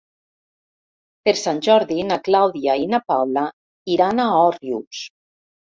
Per Sant Jordi na Clàudia i na Paula iran a Òrrius.